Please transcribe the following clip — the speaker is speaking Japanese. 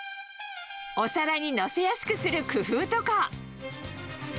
お皿に載せやすくする工夫とか。